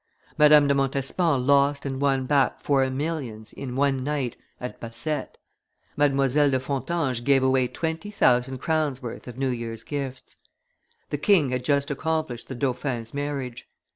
Madame de Montespan lost and won back four millions, in one night at bassette; Mdlle. de Fontanges gave away twenty thousand crowns' worth of New Year's gifts; the king had just accomplished the dauphin's marriage.